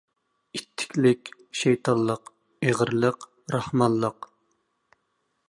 ئىتتىكلىك—شەيتانلىق، ئېغىرلىق—راھمانلىق.